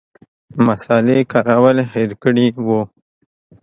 مصالې کارول هېر کړي وو.